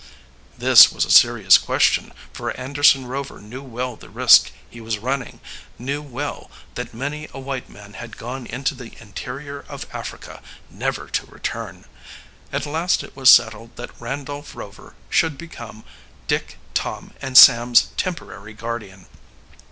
This was a serious question, for Anderson Rover knew well the risk he was running, knew well that many a white man had gone into the interior of Africa never to return. At last it was settled that Randolph Rover should become Dick, Tom, and Sam's temporary guardian.